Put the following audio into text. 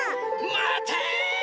まて！